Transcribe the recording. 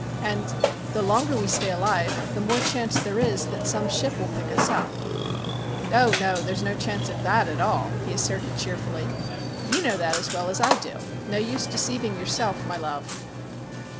"And the longer we stay alive, the more chance there is that some ship will pick us up." "Oh, no, there's no chance at all," he asserted cheerfully. "You know that as well as I do. No use deceiving yourself, my love."